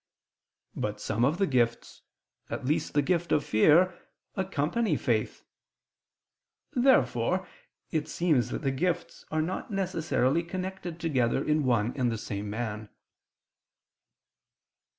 But some of the gifts, at least the gift of fear, accompany faith. Therefore it seems that the gifts are not necessarily connected together in one and the same man.